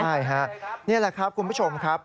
ใช่ฮะนี่แหละครับคุณผู้ชมครับ